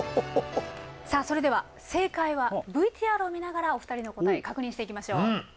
さあそれでは正解はＶＴＲを見ながらお二人の答え確認していきましょう。